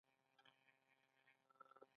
ایا زه اوس سفر کولی شم؟